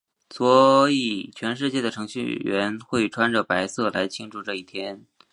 所以全世界的程序员们会穿着白色来庆祝这一天。